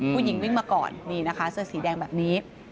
ผู้หญิงวิ่งมาก่อนนี่นะคะเสื้อสีแดงแบบนี้